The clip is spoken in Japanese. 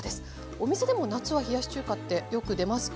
お店でも夏は冷やし中華ってよく出ますか？